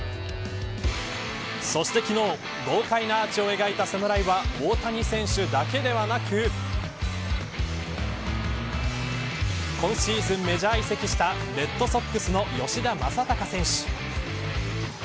そして昨日豪快なアーチを描いた侍は大谷選手だけではなく今シーズン、メジャー移籍したレッドソックスの吉田正尚選手。